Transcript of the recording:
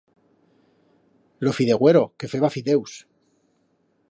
Lo fideuero, que feba fideus.